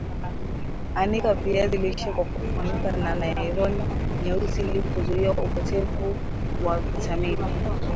Anika viazi lishe kwa kufunika na naironi nyeusi ili kuzuia upotevu wa vitamini